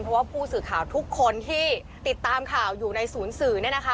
เพราะว่าผู้สื่อข่าวทุกคนที่ติดตามข่าวอยู่ในศูนย์สื่อ